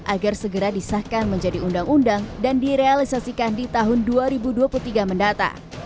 agar segera disahkan menjadi undang undang dan direalisasikan di tahun dua ribu dua puluh tiga mendatang